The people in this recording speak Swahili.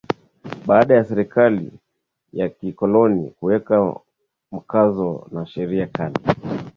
Baada ya serikali ya kikoloni kuweka mkazo na sheria kali